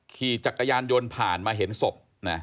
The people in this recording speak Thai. ขี่จักรยานยนต์ผ่านมาเห็นศพ